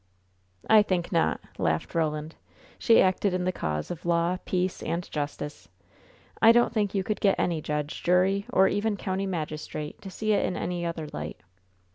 "I think not," laughed Roland. "She acted in the cause of law, peace and justice. I don't think you could get any judge, jury, or even country magistrate, to see it in any other light."